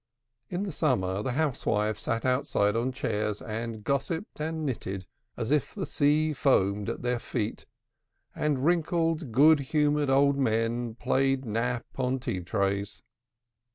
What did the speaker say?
In the summer, the housewives sat outside on chairs and gossiped and knitted, as if the sea foamed at their feel, and wrinkled good humored old men played nap on tea trays.